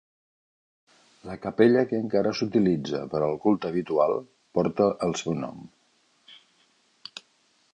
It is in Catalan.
La capella que encara s'utilitza per al culte habitual porta el seu nom.